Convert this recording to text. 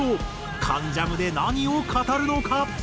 『関ジャム』で何を語るのか？